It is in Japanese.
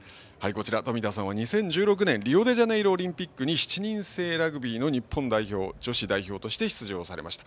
冨田さんは２０１６年リオデジャネイロオリンピックに７人制ラグビーの日本女子代表として出場されました。